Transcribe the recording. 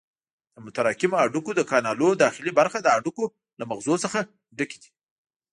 د متراکمو هډوکو د کانالونو داخلي برخه د هډوکو له مغزو څخه ډکې دي.